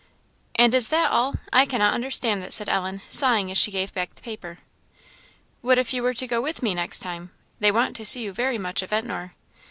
"And is that all? I cannot understand it," said Ellen, sighing as she gave back the paper. "What if you were to go with me next time? They want to see you very much at Ventnor."